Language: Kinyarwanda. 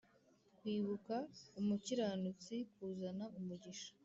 Kwibuka umukiranutsi kuzana umugisha